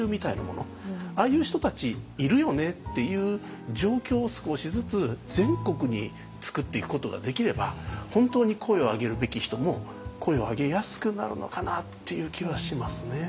ああいう人たちいるよねっていう状況を少しずつ全国に作っていくことができれば本当に声を上げるべき人も声を上げやすくなるのかなっていう気はしますね。